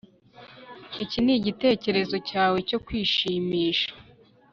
Iki nigitekerezo cyawe cyo kwishimisha